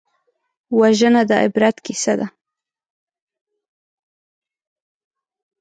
وژنه د عبرت کیسه ده